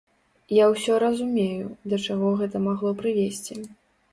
Я ўсё разумею, да чаго гэта магло прывесці.